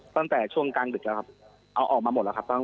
ตั้งแต่ช่วงกลางดึกแล้วครับเอาออกมาหมดแล้วครับ